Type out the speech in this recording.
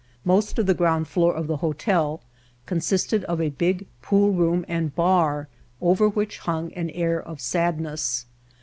Most of the ground floor of the hotel consisted of a big poolroom and bar over which hung an air of sadness.